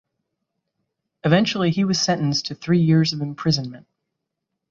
Eventually he was sentenced to three years of imprisonment.